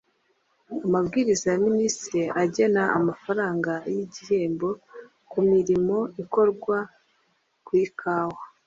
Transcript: Amabwiriza ya Minisitiri agena amafaranga y igihembo ku mirimo ikorwa ku ikawa